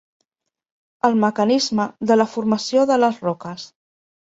El mecanisme de la formació de les roques.